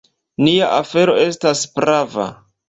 Nia afero estas prava.